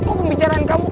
kok pembicaraan kamu